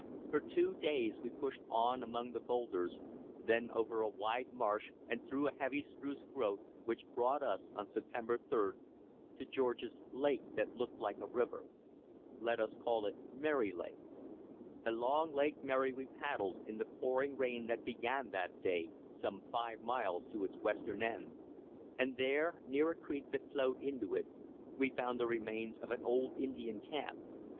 For two days we pushed on among the boulders, then over a wide marsh and through a heavy spruce growth, which brought us, on September 3d, to George's "lake that looked like a river." Let us call it Mary Lake. Along Lake Mary we paddled, in the pouring rain that began that day, some five miles to its western end; and there, near a creek that flowed into it, we found the remains of an old Indian camp.